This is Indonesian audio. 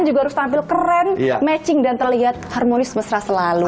juga harus tampil keren matching dan terlihat harmonis mesra selalu